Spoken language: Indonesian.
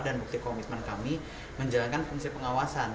dan bukti komitmen kami menjalankan fungsi pengawasan